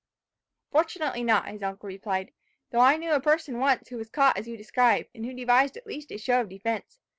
"Fortunately not," his uncle replied. "Though I knew a person once who was caught as you describe, and who devised at least a show of defence.